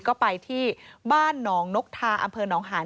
ก็ไปที่บ้านหนองนกทาอำเภอหนองหาน